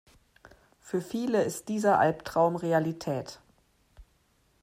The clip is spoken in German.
Für viele ist dieser Albtraum Realität.